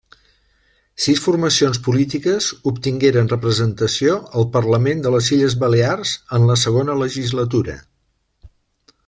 Sis formacions polítiques obtingueren representació al Parlament de les Illes Balears en la Segona Legislatura.